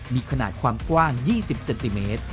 มีขนาดความกว้าง๒๐เซนติเมตร